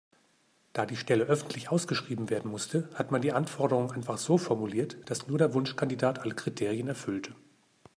Da die Stelle öffentlich ausgeschrieben werden musste, hat man die Anforderungen einfach so formuliert, dass nur der Wunschkandidat alle Kriterien erfüllte.